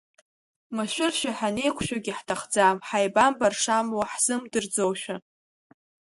Машәыршәа ҳанеиқәшәогьы ҳҭахӡам, ҳаибамбар шамуа ҳзымдырӡоушәа!